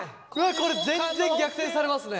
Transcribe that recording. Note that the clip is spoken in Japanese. これ全然逆転されますね。